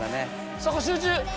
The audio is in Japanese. そこ集中！